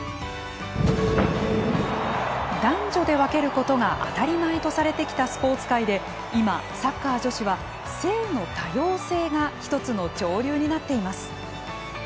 男女で分けることが当たり前とされてきたスポーツ界で今、サッカー女子は「性の多様性」が１つの潮流になっています。